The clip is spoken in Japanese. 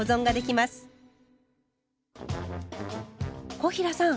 小平さん！